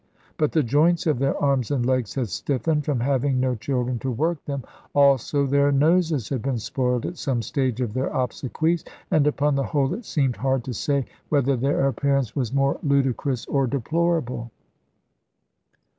But the joints of their arms and legs had stiffened, from having no children to work them, also their noses had been spoiled at some stage of their obsequies; and upon the whole it seemed hard to say whether their appearance was more ludicrous or deplorable.